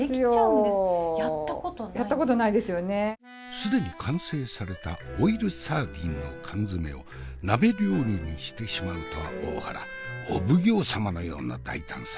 既に完成されたオイルサーディンの缶詰を鍋料理にしてしまうとは大原お奉行様のような大胆さ。